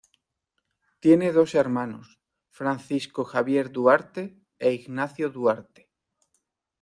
Tiene dos hermanos, Francisco Javier Duarte e Ignacio Duarte.